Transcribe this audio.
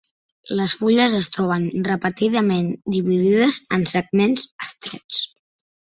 Les fulles es troben repetidament dividides en segments estrets.